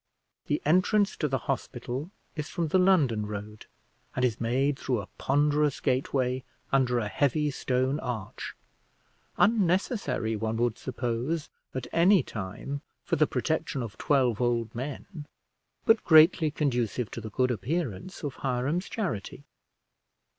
The entrance to the hospital is from the London road, and is made through a ponderous gateway under a heavy stone arch, unnecessary, one would suppose, at any time, for the protection of twelve old men, but greatly conducive to the good appearance of Hiram's charity.